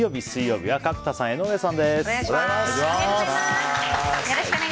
本日水曜日水曜日は角田さん、江上さんです。